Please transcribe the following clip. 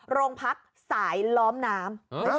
โรงพักสายล้อมน้ำ